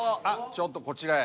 ちょっとこちらへ。